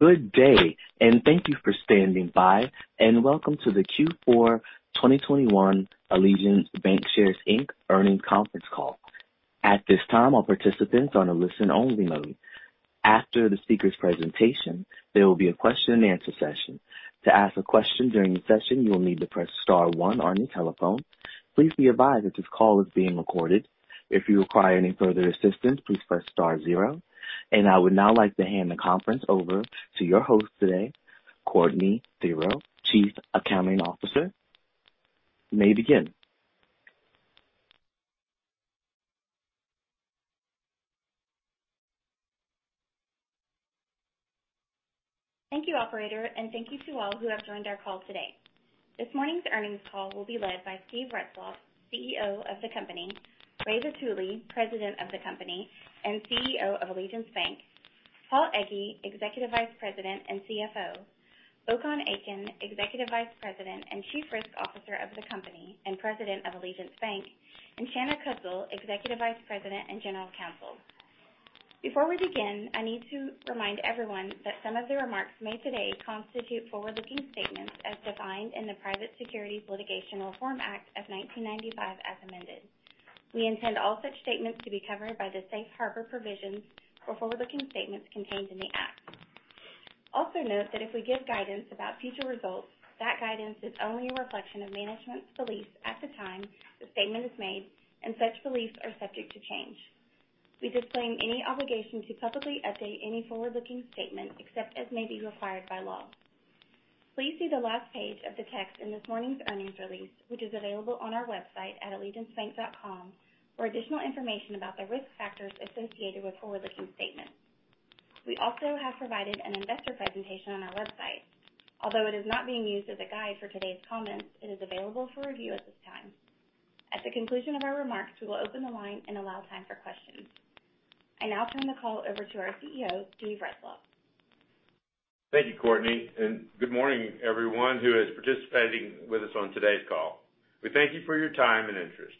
Good day, and thank you for standing by, and welcome to the Q4 2021 Allegiance Bancshares, Inc. earnings conference call. At this time, all participants are on a listen-only mode. After the speaker's presentation, there will be a question-and-answer session. To ask a question during the session, you will need to press star one on your telephone. Please be advised that this call is being recorded. If you require any further assistance, please press star zero. I would now like to hand the conference over to your host today, Courtney Theriot, Chief Accounting Officer. You may begin. Thank you, operator, and thank you to all who have joined our call today. This morning's earnings call will be led by Steve Retzloff, CEO of the company, Ramon Vitulli, President of the company and CEO of Allegiance Bank, Paul Egge, Executive Vice President and CFO, Okan Akin, Executive Vice President and Chief Risk Officer of the company and President of Allegiance Bank, and Shanna Kudla, Executive Vice President and General Counsel. Before we begin, I need to remind everyone that some of the remarks made today constitute forward-looking statements as defined in the Private Securities Litigation Reform Act of 1995 as amended. We intend all such statements to be covered by the Safe Harbor provisions for forward-looking statements contained in the Act. Also note that if we give guidance about future results, that guidance is only a reflection of management's beliefs at the time the statement is made, and such beliefs are subject to change. We disclaim any obligation to publicly update any forward-looking statement except as may be required by law. Please see the last page of the text in this morning's earnings release, which is available on our website at allegiancebank.com for additional information about the risk factors associated with forward-looking statements. We also have provided an investor presentation on our website. Although it is not being used as a guide for today's comments, it is available for review at this time. At the conclusion of our remarks, we will open the line and allow time for questions. I now turn the call over to our CEO, Steve Retzloff. Thank you, Courtney, and good morning, everyone who is participating with us on today's call. We thank you for your time and interest.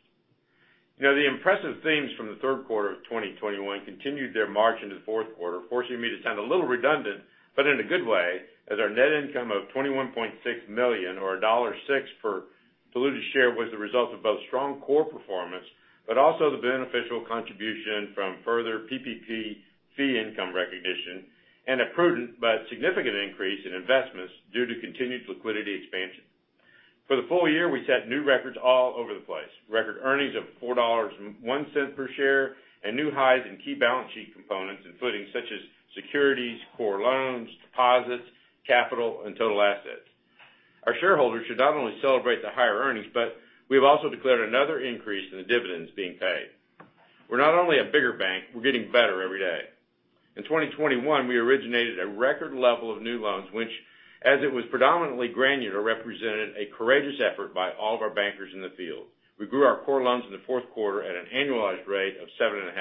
You know, the impressive themes from the third quarter of 2021 continued their march into the fourth quarter, forcing me to sound a little redundant, but in a good way, as our net income of $21.6 million or $1.06 per diluted share was the result of both strong core performance but also the beneficial contribution from further PPP fee income recognition and a prudent but significant increase in investments due to continued liquidity expansion. For the full year, we set new records all over the place. Record earnings of $4.01 per share and new highs in key balance sheet components and footings such as securities, core loans, deposits, capital, and total assets. Our shareholders should not only celebrate the higher earnings, but we've also declared another increase in the dividends being paid. We're not only a bigger bank, we're getting better every day. In 2021, we originated a record level of new loans, which, as it was predominantly granular, represented a courageous effort by all of our bankers in the field. We grew our core loans in the fourth quarter at an annualized rate of 7.5%.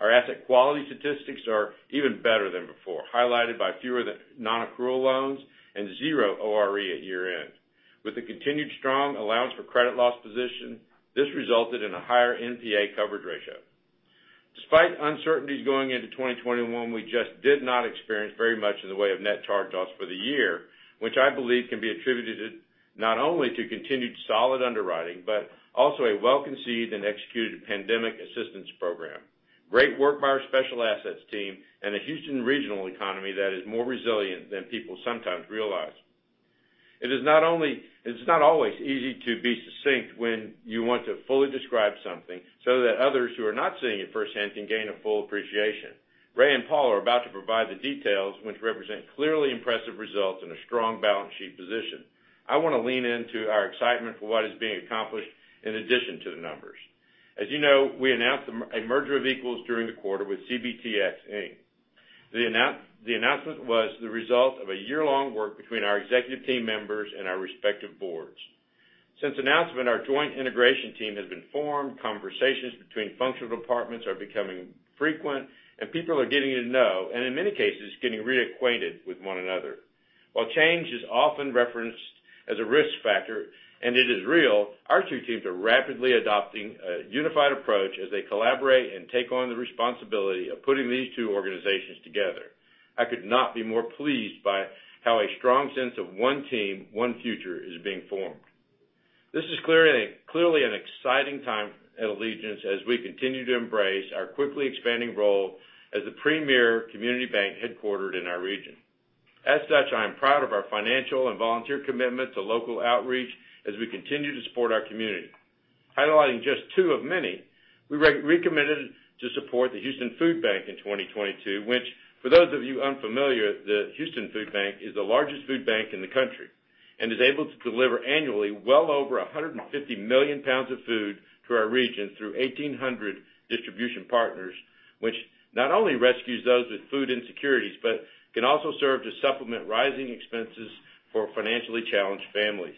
Our asset quality statistics are even better than before, highlighted by fewer nonaccrual loans and 0 ORE at year-end. With the continued strong allowance for credit loss position, this resulted in a higher NPA coverage ratio. Despite uncertainties going into 2021, we just did not experience very much in the way of net charge-offs for the year, which I believe can be attributed not only to continued solid underwriting, but also a well-conceived and executed pandemic assistance program. Great work by our special assets team and a Houston regional economy that is more resilient than people sometimes realize. It's not always easy to be succinct when you want to fully describe something so that others who are not seeing it firsthand can gain a full appreciation. Ray and Paul are about to provide the details which represent clearly impressive results and a strong balance sheet position. I want to lean into our excitement for what is being accomplished in addition to the numbers. As you know, we announced a merger of equals during the quarter with CBTX, Inc. The announcement was the result of a year-long work between our executive team members and our respective boards. Since announcement, our joint integration team has been formed, conversations between functional departments are becoming frequent, and people are getting to know, and in many cases, getting reacquainted with one another. While change is often referenced as a risk factor, and it is real, our two teams are rapidly adopting a unified approach as they collaborate and take on the responsibility of putting these two organizations together. I could not be more pleased by how a strong sense of one team, one future, is being formed. This is clearly an exciting time at Allegiance as we continue to embrace our quickly expanding role as the premier community bank headquartered in our region. As such, I am proud of our financial and volunteer commitment to local outreach as we continue to support our community. Highlighting just two of many, we recommitted to support the Houston Food Bank in 2022, which for those of you unfamiliar, the Houston Food Bank is the largest food bank in the country and is able to deliver annually well over 150 million pounds of food to our region through 1,800 distribution partners, which not only rescues those with food insecurities, but can also serve to supplement rising expenses for financially challenged families.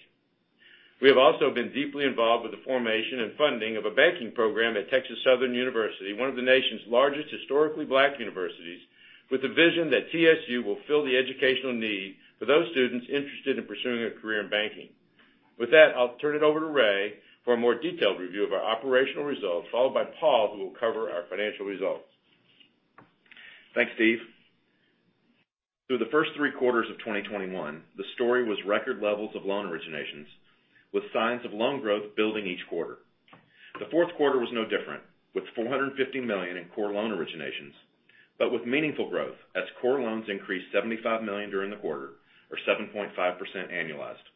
We have also been deeply involved with the formation and funding of a banking program at Texas Southern University, one of the nation's largest historically black universities, with the vision that TSU will fill the educational need for those students interested in pursuing a career in banking. With that, I'll turn it over to Ray for a more detailed review of our operational results, followed by Paul, who will cover our financial results. Thanks, Steve. Through the first three quarters of 2021, the story was record levels of loan originations, with signs of loan growth building each quarter. The fourth quarter was no different, with $450 million in core loan originations, but with meaningful growth as core loans increased $75 million during the quarter, or 7.5% annualized.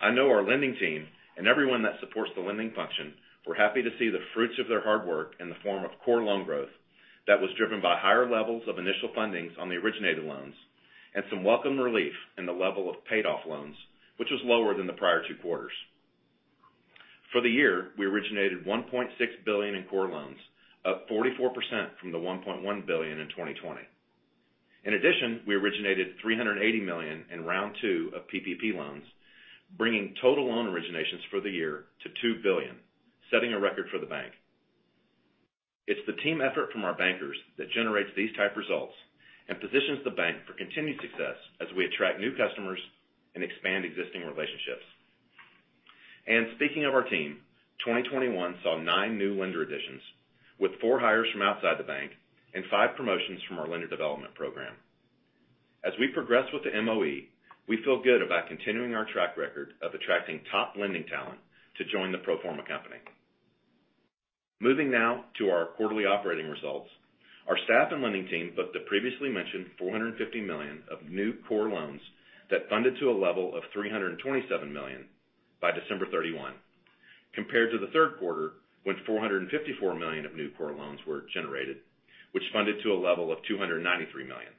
I know our lending team and everyone that supports the lending function were happy to see the fruits of their hard work in the form of core loan growth that was driven by higher levels of initial fundings on the originated loans and some welcome relief in the level of paid off loans, which was lower than the prior two quarters. For the year, we originated $1.6 billion in core loans, up 44% from the $1.1 billion in 2020. In addition, we originated $380 million in round two of PPP loans, bringing total loan originations for the year to $2 billion, setting a record for the bank. It's the team effort from our bankers that generates these type results and positions the bank for continued success as we attract new customers and expand existing relationships. Speaking of our team, 2021 saw nine new lender additions, with four hires from outside the bank and five promotions from our lender development program. As we progress with the MOE, we feel good about continuing our track record of attracting top lending talent to join the pro forma company. Moving now to our quarterly operating results. Our staff and lending team booked the previously mentioned $450 million of new core loans that funded to a level of $327 million by December 31, compared to the third quarter, when $454 million of new core loans were generated, which funded to a level of $293 million.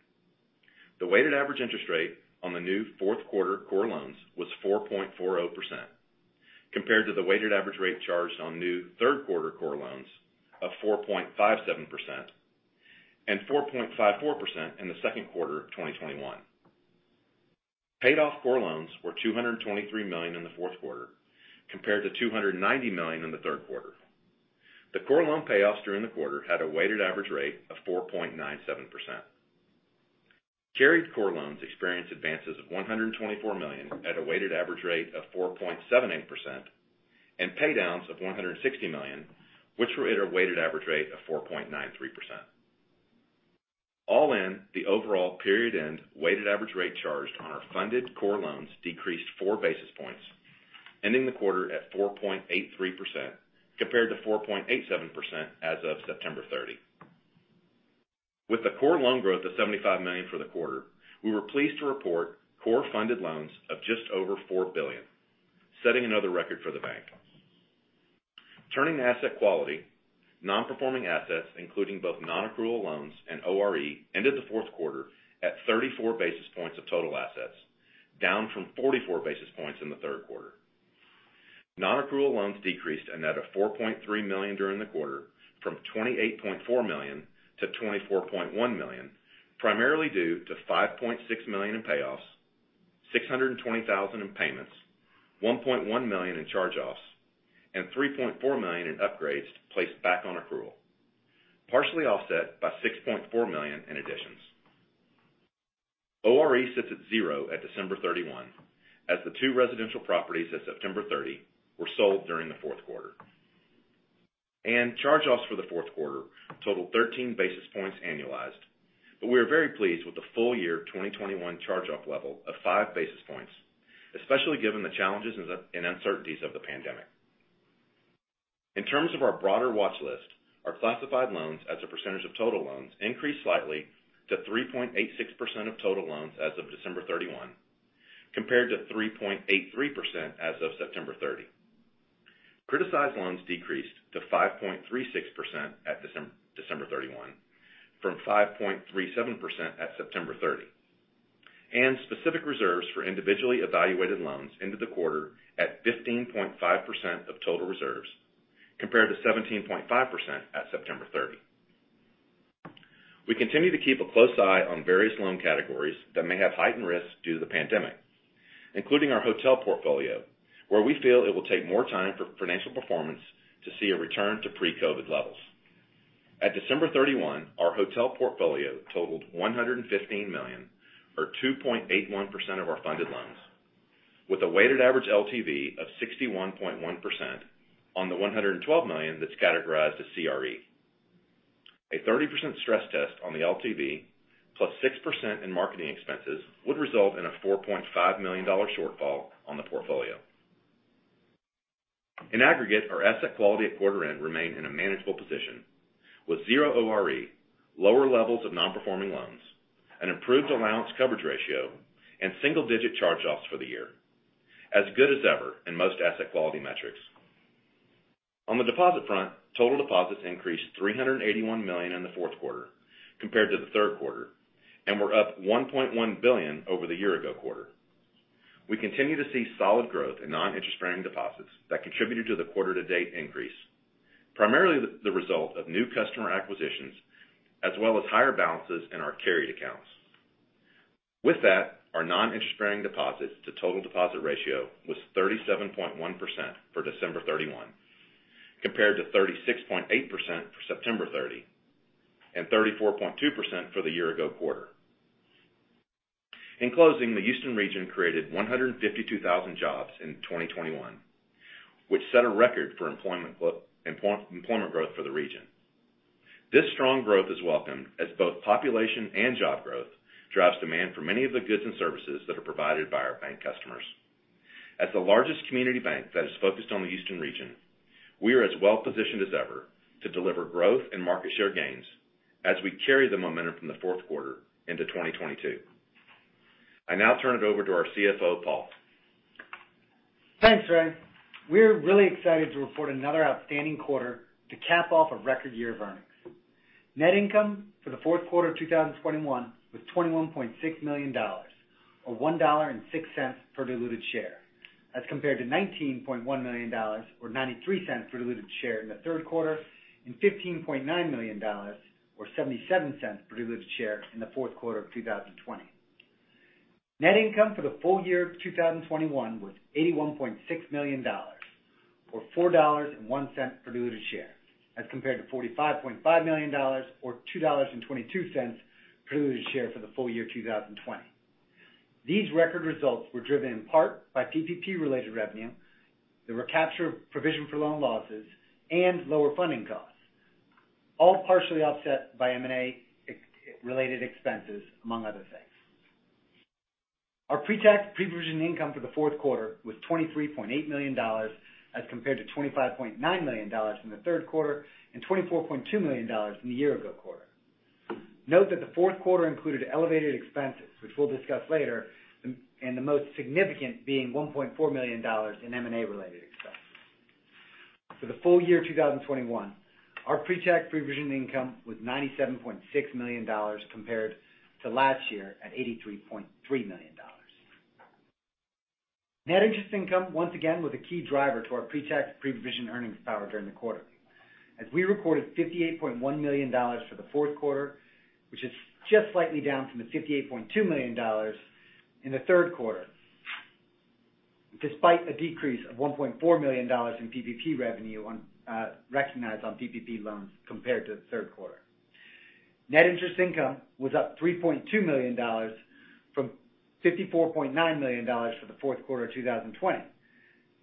The weighted average interest rate on the new fourth quarter core loans was 4.40% compared to the weighted average rate charged on new third quarter core loans of 4.57%, and 4.54% in the second quarter of 2021. Paid off core loans were $223 million in the fourth quarter compared to $290 million in the third quarter. The core loan payoffs during the quarter had a weighted average rate of 4.97%. C&I core loans experienced advances of $124 million at a weighted average rate of 4.78% and pay downs of $160 million, which were at a weighted average rate of 4.93%. All in, the overall period-end weighted average rate charged on our funded core loans decreased 4 basis points, ending the quarter at 4.83% compared to 4.87% as of September 30. With the core loan growth of $75 million for the quarter, we were pleased to report core funded loans of just over $4 billion, setting another record for the bank. Turning to asset quality, non-performing assets, including both non-accrual loans and ORE, ended the fourth quarter at 34 basis points of total assets, down from 44 basis points in the third quarter. Non-accrual loans decreased a net of $4.3 million during the quarter from $28.4 million to $24.1 million, primarily due to $5.6 million in payoffs, $620 thousand in payments, $1.1 million in charge-offs, and $3.4 million in upgrades placed back on accrual, partially offset by $6.4 million in additions. ORE sits at 0 at December 31 as the two residential properties at September 30 were sold during the fourth quarter. Charge-offs for the fourth quarter totaled 13 basis points annualized. We are very pleased with the full year of 2021 charge-off level of 5 basis points, especially given the challenges and uncertainties of the pandemic. In terms of our broader watch list, our classified loans as a percentage of total loans increased slightly to 3.86% of total loans as of December 31, compared to 3.83% as of September 30. Criticized loans decreased to 5.36% at December 31 from 5.37% at September 30, and specific reserves for individually evaluated loans into the quarter at 15.5% of total reserves, compared to 17.5% at September 30. We continue to keep a close eye on various loan categories that may have heightened risks due to the pandemic, including our hotel portfolio, where we feel it will take more time for financial performance to see a return to pre-COVID levels. At December 31, our hotel portfolio totaled $115 million, or 2.81% of our funded loans, with a weighted average LTV of 61.1% on the $112 million that's categorized as CRE. A 30% stress test on the LTV plus 6% in marketing expenses would result in a $4.5 million shortfall on the portfolio. In aggregate, our asset quality at quarter end remained in a manageable position with 0 ORE, lower levels of non-performing loans, an improved allowance coverage ratio, and single-digit charge-offs for the year. As good as ever in most asset quality metrics. On the deposit front, total deposits increased $381 million in the fourth quarter compared to the third quarter, and were up $1.1 billion over the year-ago quarter. We continue to see solid growth in non-interest bearing deposits that contributed to the quarter to date increase, primarily the result of new customer acquisitions as well as higher balances in our core accounts. With that, our non-interest bearing deposits to total deposit ratio was 37.1% for December 31. Compared to 36.8% for September 30, and 34.2% for the year-ago quarter. In closing, the Houston region created 152,000 jobs in 2021, which set a record for employment growth for the region. This strong growth is welcomed as both population and job growth drives demand for many of the goods and services that are provided by our bank customers. As the largest community bank that is focused on the Houston region, we are as well-positioned as ever to deliver growth and market share gains as we carry the momentum from the fourth quarter into 2022. I now turn it over to our CFO, Paul. Thanks, Ray. We're really excited to report another outstanding quarter to cap off a record year of earnings. Net income for the fourth quarter of 2021 was $21.6 million or $1.06 per diluted share. As compared to $19.1 million or $0.93 per diluted share in the third quarter, and $15.9 million or $0.77 per diluted share in the fourth quarter of 2020. Net income for the full year of 2021 was $81.6 million or $4.01 per diluted share. As compared to $45.5 million or $2.22 per diluted share for the Full Year of 2020. These record results were driven in part by PPP-related revenue, the recapture of provision for loan losses, and lower funding costs, all partially offset by M&A-related expenses, among other things. Our pre-tax, pre-provision income for the fourth quarter was $23.8 million as compared to $25.9 million in the third quarter and $24.2 million in the year ago quarter. Note that the fourth quarter included elevated expenses, which we'll discuss later, and the most significant being $1.4 million in M&A-related expenses. For the full year of 2021, our pre-tax, pre-provision income was $97.6 million compared to last year at $83.3 million. Net interest income, once again, was a key driver to our pre-tax, pre-provision earnings power during the quarter. We recorded $58.1 million for the fourth quarter, which is just slightly down from the $58.2 million in the third quarter, despite a decrease of $1.4 million in PPP revenue on, recognized on PPP loans compared to the third quarter. Net interest income was up $3.2 million from $54.9 million for the fourth quarter of 2020.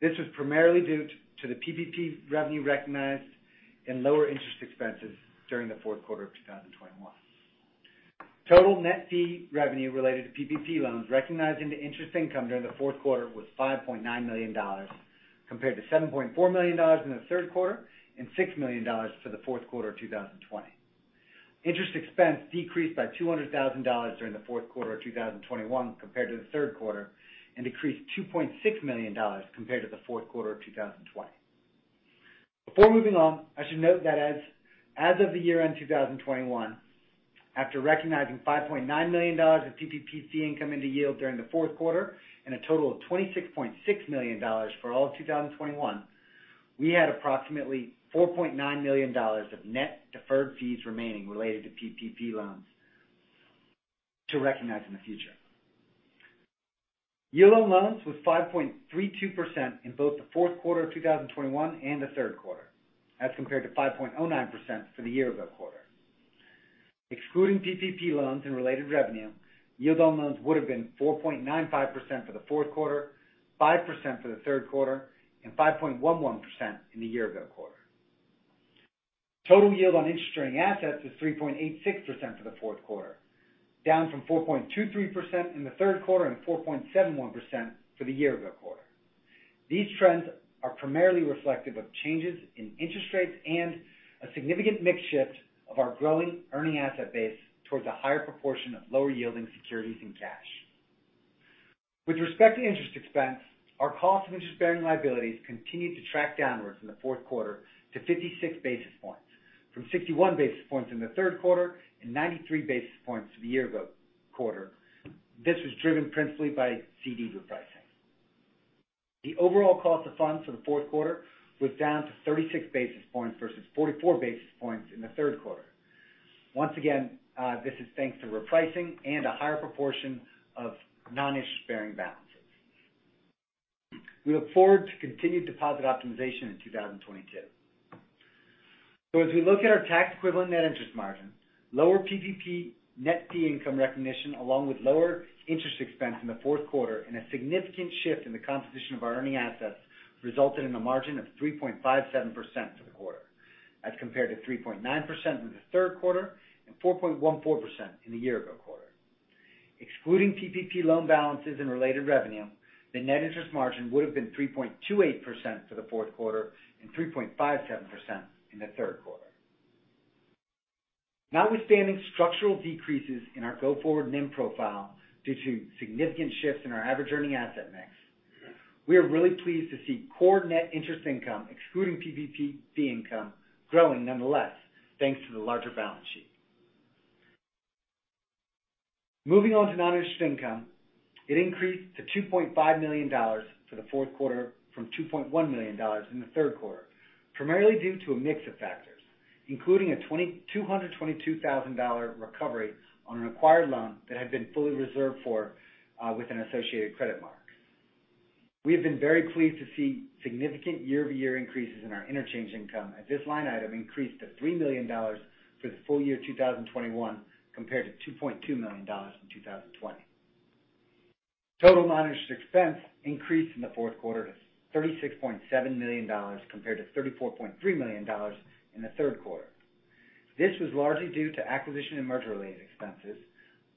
This was primarily due to the PPP revenue recognized and lower interest expenses during the fourth quarter of 2021. Total net fee revenue related to PPP loans recognized into interest income during the fourth quarter was $5.9 million compared to $7.4 million in the third quarter and $6 million for the fourth quarter of 2020. Interest expense decreased by $200,000 during the fourth quarter of 2021 compared to the third quarter, and decreased $2.6 million compared to the fourth quarter of 2020. Before moving on, I should note that as of the year-end 2021, after recognizing $5.9 million of PPP fee income into yield during the fourth quarter and a total of $26.6 million for all of 2021, we had approximately $4.9 million of net deferred fees remaining related to PPP loans to recognize in the future. Yield on loans was 5.32% in both the fourth quarter of 2021 and the third quarter, as compared to 5.09% for the year-ago quarter. Excluding PPP loans and related revenue, yield on loans would've been 4.95% for the fourth quarter, 5% for the third quarter, and 5.11% in the year ago quarter. Total yield on interest-earning assets was 3.86% for the fourth quarter, down from 4.23% in the third quarter, and 4.71% for the year ago quarter. These trends are primarily reflective of changes in interest rates and a significant mix shift of our growing earning asset base towards a higher proportion of lower yielding securities and cash. With respect to interest expense, our cost of interest-bearing liabilities continued to track downwards in the fourth quarter to 56 basis points, from 61 basis points in the third quarter and 93 basis points the year ago quarter. This was driven principally by CD repricing. The overall cost of funds for the fourth quarter was down to 36 basis points versus 44 basis points in the third quarter. Once again, this is thanks to repricing and a higher proportion of non-interest-bearing balances. We look forward to continued deposit optimization in 2022. As we look at our tax equivalent net interest margin, lower PPP net fee income recognition, along with lower interest expense in the fourth quarter and a significant shift in the composition of our earning assets, resulted in a margin of 3.57% for the quarter. As compared to 3.9% in the third quarter and 4.14% in the year ago quarter. Excluding PPP loan balances and related revenue, the net interest margin would've been 3.28% for the fourth quarter and 3.57% in the third quarter. Notwithstanding structural decreases in our go-forward NIM profile due to significant shifts in our average earning asset mix, we are really pleased to see core net interest income, excluding PPP fee income, growing nonetheless, thanks to the larger balance sheet. Moving on to non-interest income, it increased to $2.5 million for the fourth quarter from $2.1 million in the third quarter, primarily due to a mix of factors, including a $222,000 recovery on an acquired loan that had been fully reserved for, with an associated credit mark. We have been very pleased to see significant year-over-year increases in our interchange income as this line item increased to $3 million for the Full Year 2021 compared to $2.2 million in 2020. Total managed expense increased in the fourth quarter to $36.7 million compared to $34.3 million in the third quarter. This was largely due to acquisition and merger related expenses,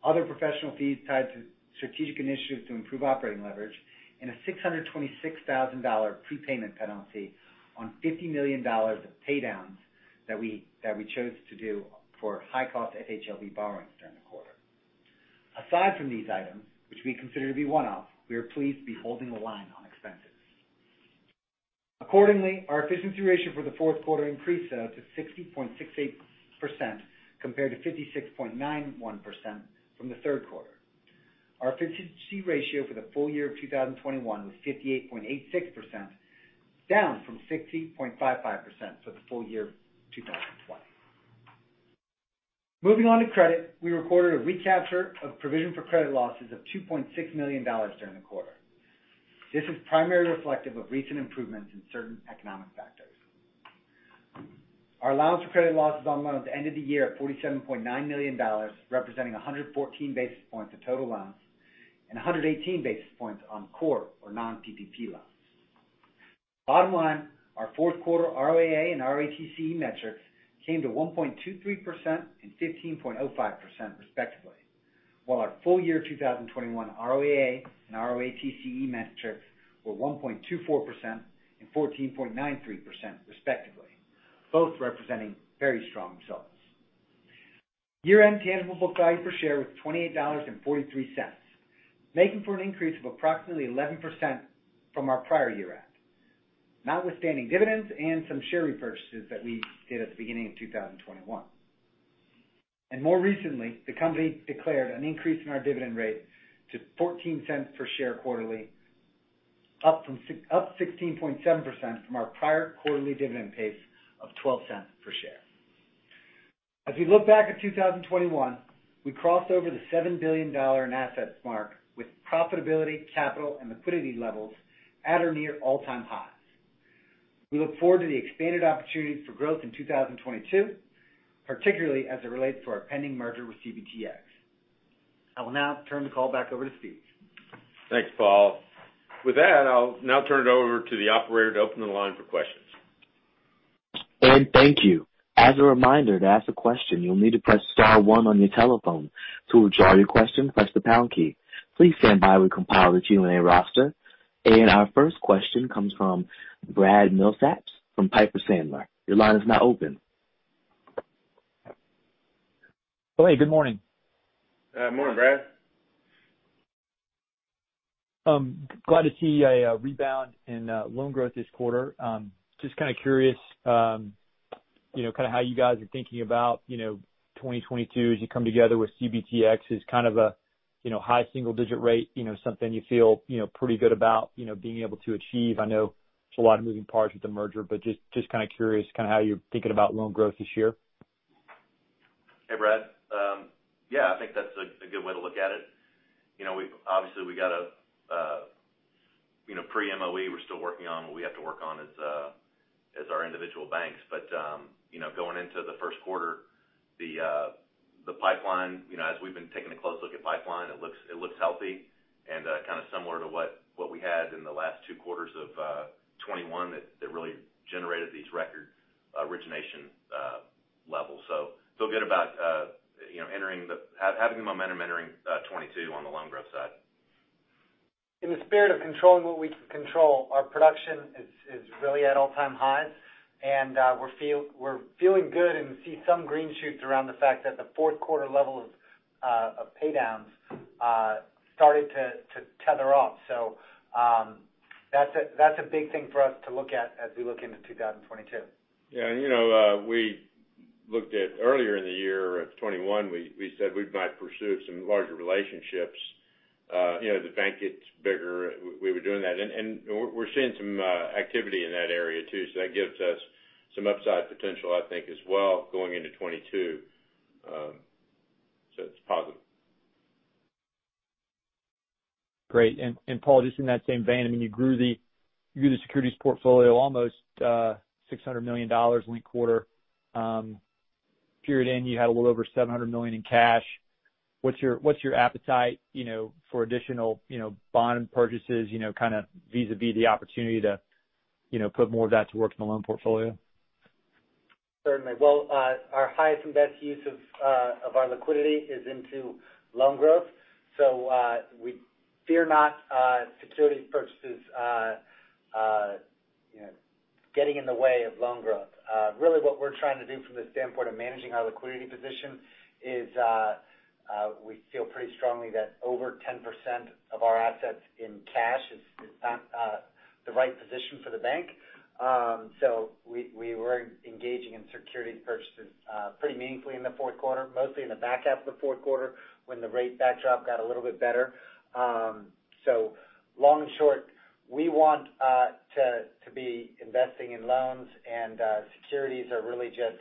other professional fees tied to strategic initiatives to improve operating leverage, and a $626,000 prepayment penalty on $50 million of pay downs that we chose to do for high cost FHLB borrowings during the quarter. Aside from these items, which we consider to be one-off, we are pleased to be holding the line on expenses. Accordingly, our efficiency ratio for the fourth quarter increased to 60.68% compared to 56.91% from the third quarter. Our efficiency ratio for the full year of 2021 was 58.86%, down from 60.55% for the full year of 2020. Moving on to credit. We recorded a recapture of provision for credit losses of $2.6 million during the quarter. This is primarily reflective of recent improvements in certain economic factors. Our allowance for credit losses on loans ended the year at $47.9 million, representing 114 basis points of total loans and 118 basis points on core or non-PPP loans. Bottom line, our fourth quarter ROA and ROTCE metrics came to 1.23% and 15.05% respectively. While our full year 2021 ROA and ROTCE metrics were 1.24% and 14.93% respectively, both representing very strong results. Year-end tangible book value per share was $28.43, making for an increase of approximately 11% from our prior year end, notwithstanding dividends and some share repurchases that we did at the beginning of 2021. More recently, the company declared an increase in our dividend rate to $0.14 per share quarterly, up 16.7% from our prior quarterly dividend pace of $0.12 per share. As we look back at 2021, we crossed over the $7 billion in assets mark with profitability, capital, and liquidity levels at or near all-time highs. We look forward to the expanded opportunities for growth in 2022, particularly as it relates to our pending merger with CBTX. I will now turn the call back over to Steve. Thanks, Paul. With that, I'll now turn it over to the operator to open the line for questions. Thank you. As a reminder, to ask a question you'll need to press star one on your telephone. To withdraw your question, press the pound key. Please stand by while we compile the Q&A roster. Our first question comes from Brad Milsaps from Piper Sandler. Your line is now open. Oh, hey, good morning. Morning, Brad. Glad to see a rebound in loan growth this quarter. Just kind of curious, you know, kind of how you guys are thinking about, you know, 2022 as you come together with CBTX is kind of a, you know, high single digit rate, you know, something you feel, you know, pretty good about, you know, being able to achieve. I know it's a lot of moving parts with the merger, but just kind of curious kind of how you're thinking about loan growth this year. Hey, Brad. Yeah, I think that's a good way to look at it. You know, we've obviously got a pre-MOE we're still working on what we have to work on as our individual banks. But, you know, going into the first quarter, the pipeline, you know, as we've been taking a close look at pipeline, it looks healthy and kind of similar to what we had in the last two quarters of 2021 that really generated these record origination levels. So feel good about, you know, having the momentum entering 2022 on the loan growth side. In the spirit of controlling what we can control, our production is really at all-time highs. We're feeling good and see some green shoots around the fact that the fourth quarter level of pay downs started to taper off. That's a big thing for us to look at as we look into 2022. You know, we looked at earlier in the year of 2021. We said we might pursue some larger relationships. You know, the bank gets bigger. We were doing that. We're seeing some activity in that area too. That gives us some upside potential, I think, as well going into 2022. It's positive. Great. Paul, just in that same vein, I mean, you grew the securities portfolio almost $600 million linked-quarter, period-end you had a little over $700 million in cash. What's your appetite, you know, for additional, you know, bond purchases, you know, kind of vis-a-vis the opportunity to, you know, put more of that to work in the loan portfolio? Certainly. Well, our highest and best use of our liquidity is into loan growth. We fear not securities purchases you know, getting in the way of loan growth. Really what we're trying to do from the standpoint of managing our liquidity position is we feel pretty strongly that over 10% of our assets in cash is not the right position for the bank. We were engaging in securities purchases pretty meaningfully in the fourth quarter, mostly in the back half of the fourth quarter when the rate backdrop got a little bit better. Long and short, we want to be investing in loans and securities are really just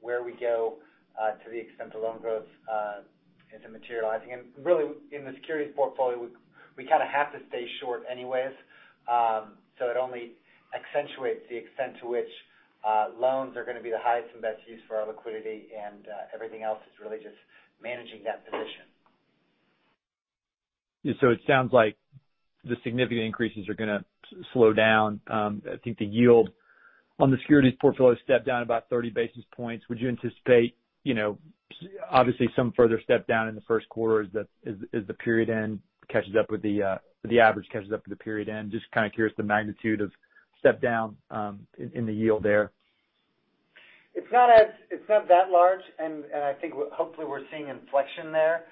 where we go to the extent the loan growth isn't materializing. Really, in the securities portfolio, we kind of have to stay short anyways. It only accentuates the extent to which loans are gonna be the highest and best use for our liquidity and everything else is really just managing that position. Yeah. It sounds like the significant increases are gonna slow down. I think the yield on the securities portfolio stepped down about 30 basis points. Would you anticipate, you know, obviously, some further step down in the first quarter as the period end catches up with the average? Just kind of curious about the magnitude of step down in the yield there. It's not that large. I think we're hopefully seeing inflection there,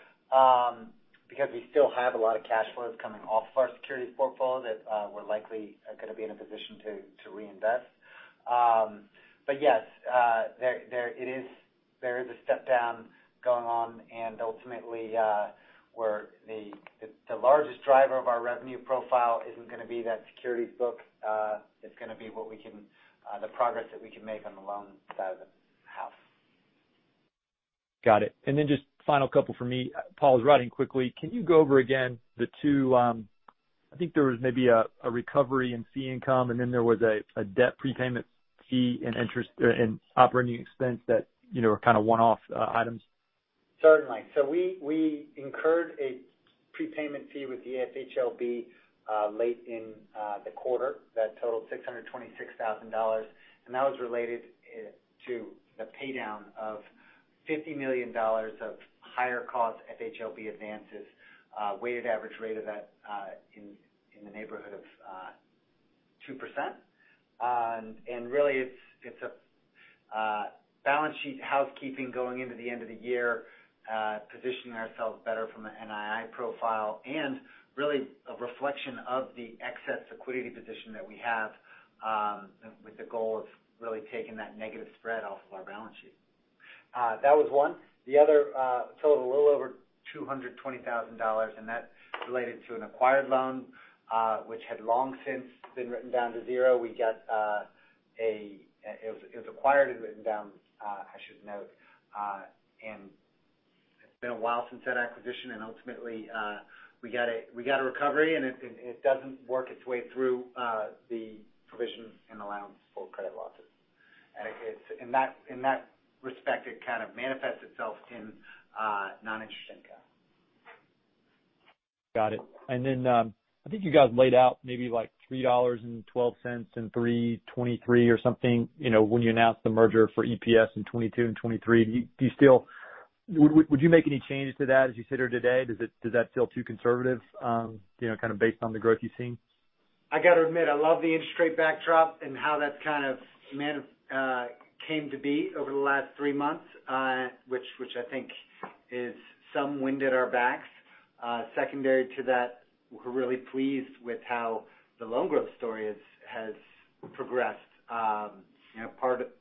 because we still have a lot of cash flows coming off of our securities portfolio that we're likely gonna be in a position to reinvest. Yes, there is a step-down going on. Ultimately, the largest driver of our revenue profile isn't gonna be that securities book. It's gonna be the progress that we can make on the loan side of the house. Got it. Just final couple from me. Paul, I was writing quickly. Can you go over again the two, I think there was maybe a recovery in fee income, and then there was a debt prepayment fee and interest, and operating expense that, you know, are kind of one-off items. Certainly. We incurred a prepayment fee with the FHLB late in the quarter that totaled $626,000. That was related to the pay down of $50 million of higher cost FHLB advances weighted average rate of that in the neighborhood of 2%. Really, it's a balance sheet housekeeping going into the end of the year positioning ourselves better from an NII profile and really a reflection of the excess liquidity position that we have with the goal of really taking that negative spread off of our balance sheet. That was one. The other totaled a little over $220,000, and that related to an acquired loan which had long since been written down to zero. It was acquired and written down, I should note. It's been a while since that acquisition. Ultimately, we got a recovery, and it doesn't work its way through the provision and allowance for credit losses. It's in that respect it kind of manifests itself in non-interest income. Got it. I think you guys laid out maybe like $3.12 and $3.23 or something, you know, when you announced the merger for EPS in 2022 and 2023. Would you make any changes to that as you sit here today? Does that feel too conservative, you know, kind of based on the growth you've seen? I gotta admit, I love the interest rate backdrop and how that's kind of came to be over the last three months, which I think is some wind at our backs. Secondary to that, we're really pleased with how the loan growth story has progressed. You know,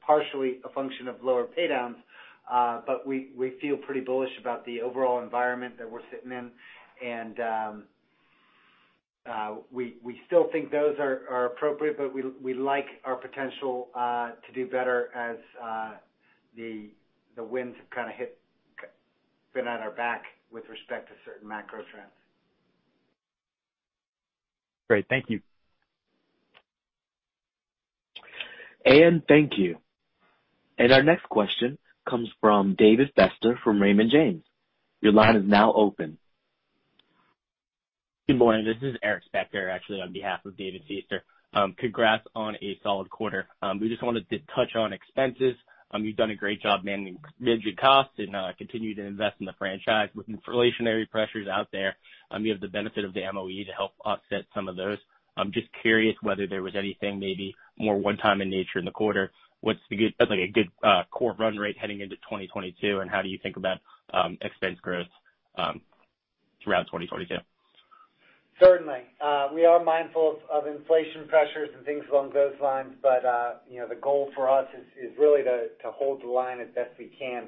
partially a function of lower pay downs. But we feel pretty bullish about the overall environment that we're sitting in. We still think those are appropriate, but we like our potential to do better as the winds have kind of been at our back with respect to certain macro trends. Great. Thank you. Ian, thank you. Our next question comes from David Feaster from Raymond James. Your line is now open. Good morning. This is Eric Spector, actually, on behalf of David Feaster. Congrats on a solid quarter. We just wanted to touch on expenses. You've done a great job managing costs and continued to invest in the franchise. With inflationary pressures out there, you have the benefit of the MOE to help offset some of those. I'm just curious whether there was anything maybe more one-time in nature in the quarter. What's a good, like, core run rate heading into 2022, and how do you think about expense growth throughout 2022? Certainly. We are mindful of inflation pressures and things along those lines, but you know, the goal for us is really to hold the line as best we can.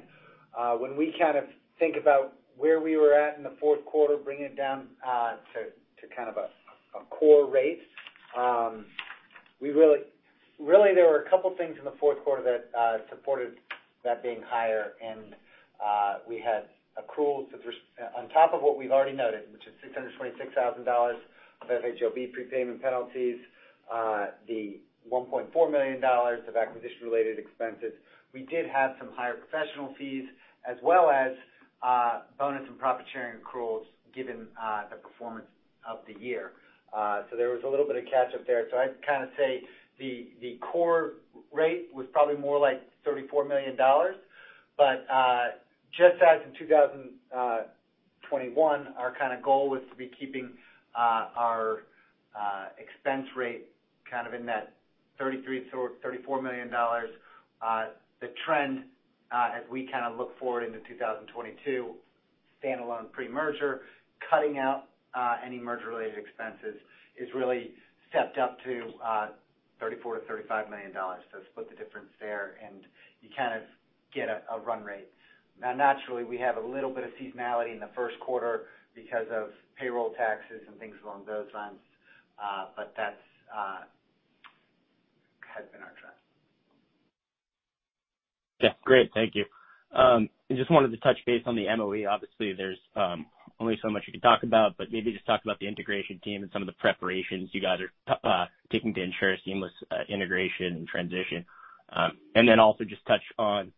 When we kind of think about where we were at in the fourth quarter, bringing it down to kind of a core rate, there were a couple things in the fourth quarter that supported that being higher. We had accruals on top of what we've already noted, which is $626,000 of FHLB prepayment penalties, the $1.4 million of acquisition-related expenses. We did have some higher professional fees as well as bonus and profit sharing accruals given the performance of the year. There was a little bit of catch-up there. I'd kind of say the core rate was probably more like $34 million. Just as in 2021, our kind of goal was to be keeping our expense rate kind of in that $33 million-$34 million. The trend as we kind of look forward into 2022 standalone pre-merger, cutting out any merger related expenses is really stepped up to $34 million-$35 million. Split the difference there, and you kind of get a run rate. Now naturally, we have a little bit of seasonality in the first quarter because of payroll taxes and things along those lines, but that has been our trend. Yeah. Great. Thank you. Just wanted to touch base on the MOE. Obviously, there's only so much you can talk about, but maybe just talk about the integration team and some of the preparations you guys are taking to ensure a seamless integration and transition. Also just touch on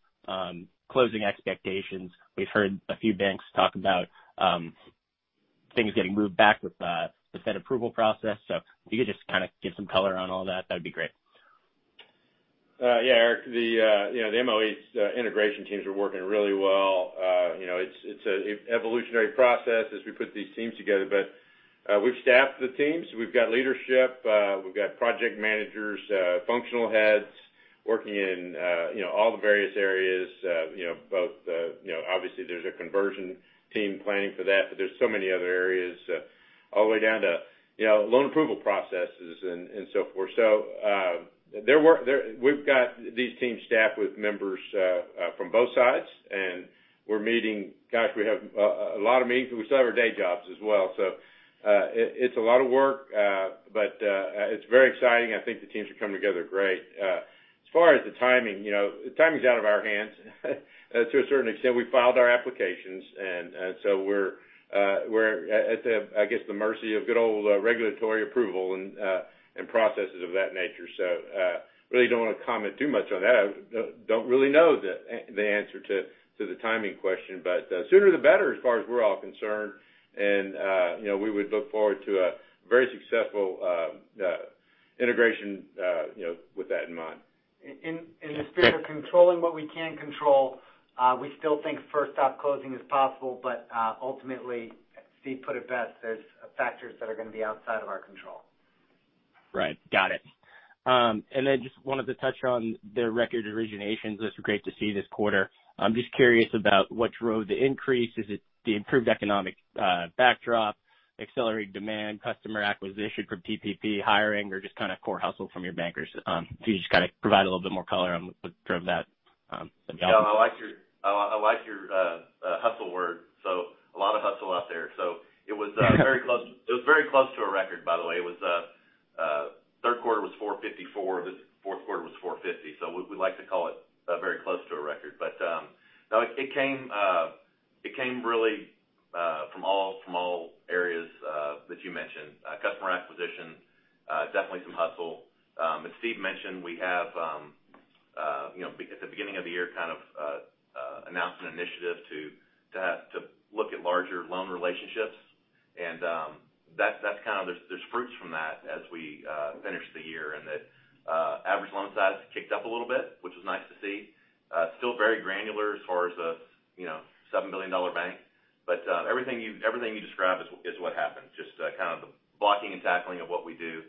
closing expectations. We've heard a few banks talk about things getting moved back with the Fed approval process. If you could just kind of give some color on all that'd be great. Yeah, Eric, you know, the MOE's integration teams are working really well. You know, it's a evolutionary process as we put these teams together. We've staffed the teams. We've got leadership, we've got project managers, functional heads working in, you know, all the various areas, you know, both, you know, obviously there's a conversion team planning for that, but there's so many other areas, all the way down to, you know, loan approval processes and so forth. We've got these teams staffed with members from both sides, and Gosh, we have a lot of meetings, and we still have our day jobs as well. It's a lot of work. It's very exciting. I think the teams are coming together great. As far as the timing, you know, the timing's out of our hands, to a certain extent. We filed our applications and so we're at, I guess, the mercy of good old regulatory approval and processes of that nature. I really don't wanna comment too much on that. I don't really know the answer to the timing question, but the sooner the better, as far as we're all concerned. You know, we would look forward to a very successful integration, you know, with that in mind. In the spirit of controlling what we can control, we still think first half closing is possible, but ultimately, Steve put it best. There's factors that are gonna be outside of our control. Right. Got it. Just wanted to touch on the record originations. Those were great to see this quarter. I'm just curious about what drove the increase. Is it the improved economic backdrop, accelerated demand, customer acquisition from PPP hiring, or just kind of core hustle from your bankers? If you just kind of provide a little bit more color on what drove that, some of the opportunities. Yeah, I like your hustle word, so a lot of hustle out there. It was very close to a record, by the way. Third quarter was $454. This fourth quarter was $450. We like to call it very close to a record. No, it came really from all areas that you mentioned. Customer acquisition definitely some hustle. As Steve mentioned, we have you know at the beginning of the year kind of announced an initiative to look at larger loan relationships. That's kind of bearing fruit from that as we finish the year. The average loan size kicked up a little bit, which was nice to see. Still very granular as far as a, you know, $7 billion bank. Kind of the blocking and tackling of what we do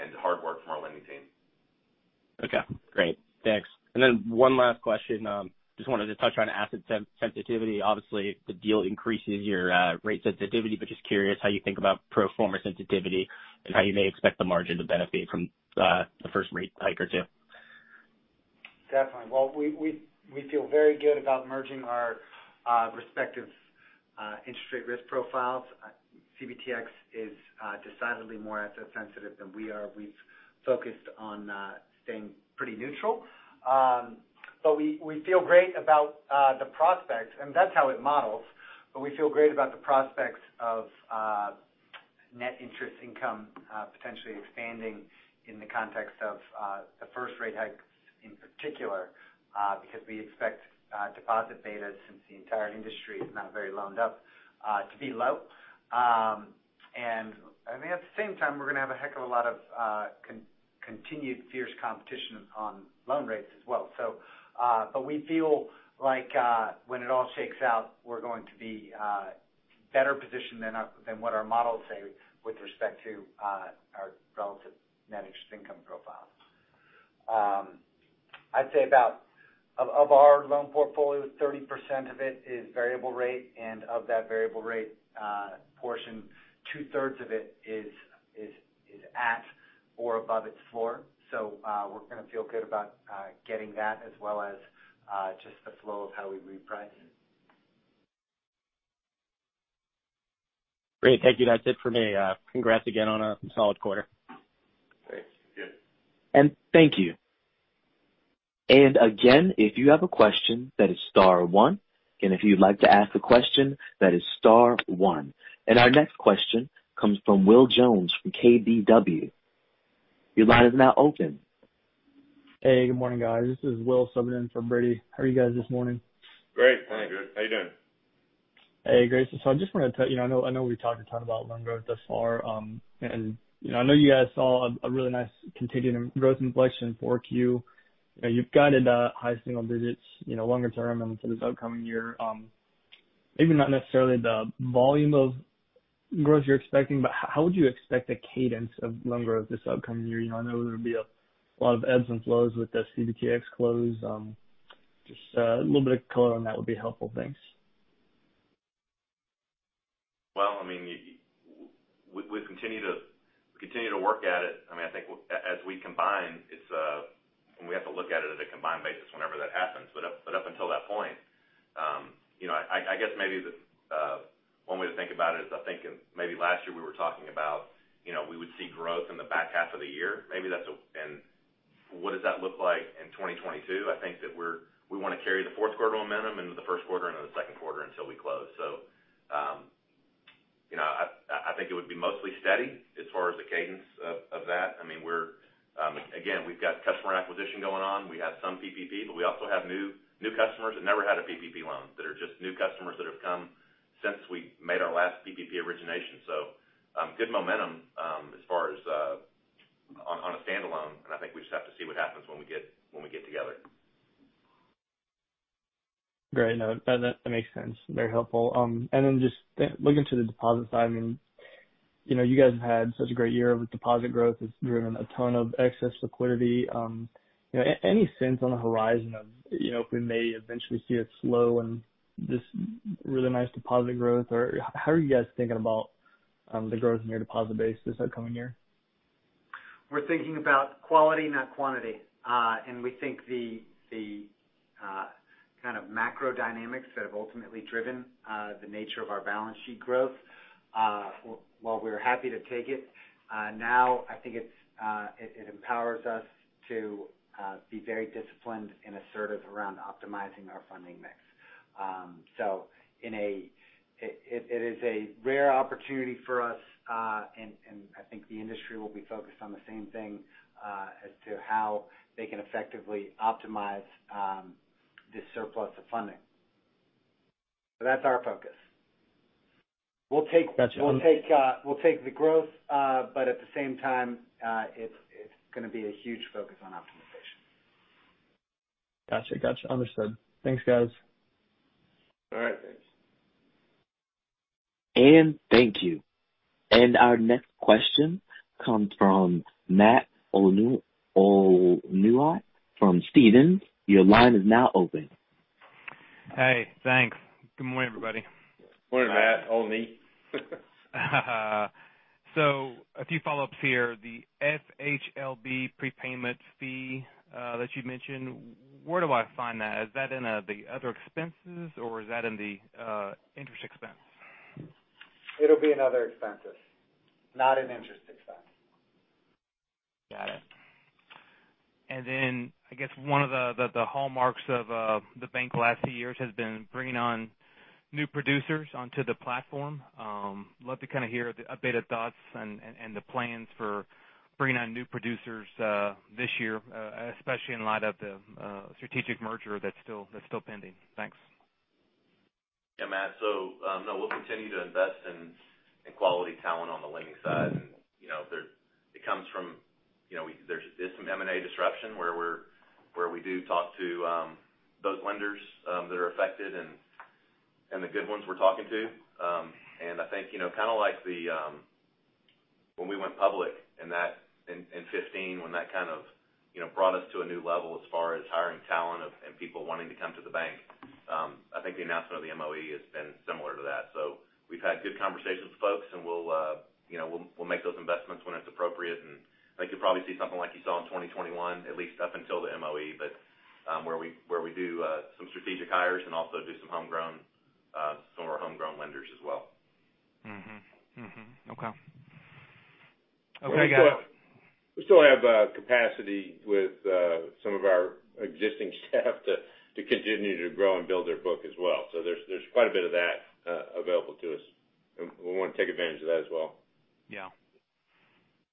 and hard work from our lending team. Okay, great. Thanks. Then one last question. Just wanted to touch on asset sensitivity. Obviously, the deal increases your rate sensitivity, but just curious how you think about pro forma sensitivity and how you may expect the margin to benefit from the first rate hike or two. Definitely. Well, we feel very good about merging our respective interest rate risk profiles. CBTX is decidedly more asset sensitive than we are. We've focused on staying pretty neutral. But we feel great about the prospects, and that's how it models, but we feel great about the prospects of net interest income potentially expanding in the context of the first rate hike in particular, because we expect deposit betas since the entire industry is not very loaned up to be low. And I mean, at the same time, we're gonna have a heck of a lot of continued fierce competition on loan rates as well. We feel like when it all shakes out, we're going to be better positioned than what our models say with respect to our relative net interest income profile. I'd say of our loan portfolio, 30% of it is variable rate. Of that variable rate portion, 2/3 of it is at or above its floor. We're gonna feel good about getting that as well as just the flow of how we reprice. Great. Thank you. That's it for me. Congrats again on a solid quarter. Thanks. Yeah. Thank you. Again, if you have a question, that is star one. Again, if you'd like to ask a question, that is star one. Our next question comes from Will Jones from KBW. Your line is now open. Hey, good morning, guys. This is Will subbing in for Brady. How are you guys this morning? Great. Morning, Will. How are you doing? Hey, great. I just wanted to tell you, I know we've talked a ton about loan growth thus far. You know, I know you guys saw a really nice continuing growth inflection in 4Q. You know, you've guided high single digits, you know, longer term and for this upcoming year. Maybe not necessarily the volume of growth you're expecting, but how would you expect the cadence of loan growth this upcoming year? You know, I know there'll be a lot of ebbs and flows with the CBTX close. Just a little bit of color on that would be helpful. Thanks. I mean, we continue to work at it. I mean, I think as we combine, it's. We have to look at it at a combined basis whenever that happens. Up until that point, you know, I guess maybe the one way to think about it is I think in maybe last year we were talking about, you know, we would see growth in the back half of the year. Maybe that's. What does that look like in 2022? I think that we wanna carry the fourth quarter momentum into the first quarter and then the second quarter until we close. You know, I think it would be mostly steady as far as the cadence of that. I mean, again, we've got customer acquisition going on. We have some PPP, but we also have new customers that never had a PPP loan, that are just new customers that have come since we made our last PPP origination. Good momentum, as far as, on a standalone, and I think we just have to see what happens when we get together. Great. No, that makes sense. Very helpful. Just, yeah, looking to the deposit side, I mean, you know, you guys have had such a great year with deposit growth. It's driven a ton of excess liquidity. You know, any sense on the horizon of, you know, if we may eventually see a slowdown in this really nice deposit growth, or how are you guys thinking about the growth in your deposit base this upcoming year? We're thinking about quality, not quantity. We think the kind of macro dynamics that have ultimately driven the nature of our balance sheet growth, while we're happy to take it, now I think it empowers us to be very disciplined and assertive around optimizing our funding mix. It is a rare opportunity for us, and I think the industry will be focused on the same thing, as to how they can effectively optimize this surplus of funding. That's our focus. We'll take- Gotcha. We'll take the growth, but at the same time, it's gonna be a huge focus on optimization. Gotcha. Understood. Thanks, guys. All right. Thanks. Thank you. Our next question comes from Matt Olney from Stephens. Your line is now open. Hey, thanks. Good morning, everybody. Morning, Matt Olney. A few follow-ups here. The FHLB prepayment fee that you mentioned, where do I find that? Is that in the other expenses or is that in the interest expense? It'll be in other expenses, not in interest expense. Got it. I guess one of the hallmarks of the bank the last few years has been bringing on new producers onto the platform. Love to kinda hear the updated thoughts and the plans for bringing on new producers this year, especially in light of the strategic merger that's still pending. Thanks. Yeah, Matt. No, we'll continue to invest in quality talent on the lending side. You know, it comes from you know, there's some M&A disruption where we do talk to those lenders that are affected and the good ones we're talking to. I think you know kinda like when we went public and that in 2015, when that kind of you know brought us to a new level as far as hiring talent and people wanting to come to the bank. I think the announcement of the MOE has been similar to that. We've had good conversations with folks, and you know we'll make those investments when it's appropriate. I think you'll probably see something like you saw in 2021, at least up until the MOE, but where we do some strategic hires and also do some homegrown, some of our homegrown lenders as well. Okay, guys. We still have capacity with some of our existing staff to continue to grow and build their book as well. There's quite a bit of that available to us, and we wanna take advantage of that as well. Yeah.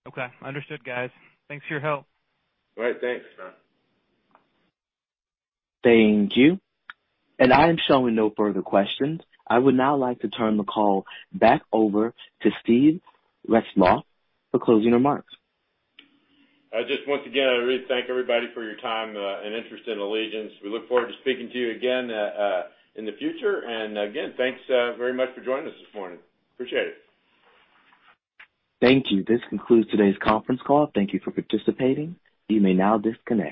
Okay. Understood, guys. Thanks for your help. All right. Thanks, Matt. Thank you. I am showing no further questions. I would now like to turn the call back over to Steve Retzloff for closing remarks. Just once again, I wanna thank everybody for your time and interest in Allegiance. We look forward to speaking to you again in the future. Again, thanks very much for joining us this morning. Appreciate it. Thank you. This concludes today's conference call. Thank you for participating. You may now disconnect.